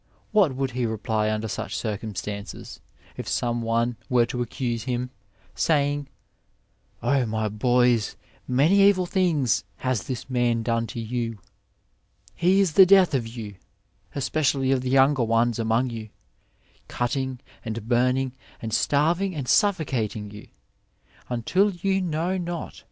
What would he reply under such circumstances, if some one were to accuse him, sajing, '0 my bojs, many evil things has this man done to you ; he is the death of you, especially of the younger ones among you, cutting and burning and starving and suffocating you, until you know not what to ^ Dialogues, ii 345 6.